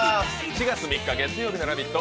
４月３日月曜日の「ラヴィット！」